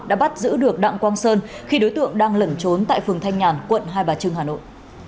đã bắt giữ được đặng quang sơn khi đối tượng đang lẩn trốn tại phường thanh nhàn quận hai bà trưng hà nội